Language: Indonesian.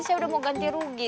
saya udah mau ganti rugi